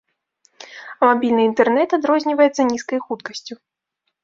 А мабільны інтэрнэт адрозніваецца нізкай хуткасцю.